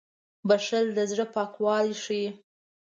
• بښل د زړه پاکوالی ښيي.